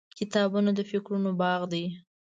• کتابونه د فکرونو باغ دی.